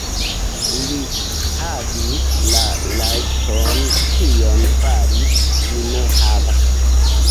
Li havis la rajton tion fari; mi ne havas.